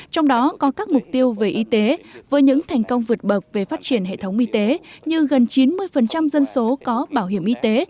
trong đó có các mục tiêu về y tế với những thành công vượt bậc về phát triển hệ thống y tế như gần chín mươi dân số có bảo hiểm y tế